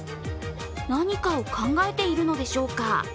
何かを考えているのでしょうか？